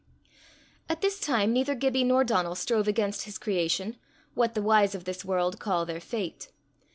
At this time neither Gibbie nor Donal strove against his creation what the wise of this world call their fate.